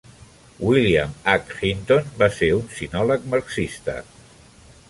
William H. Hinton va ser un sinòleg marxista.